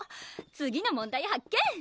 次の問題発見！